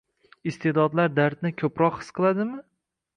Iste’dodlar dardni ko‘proq his qiladimi?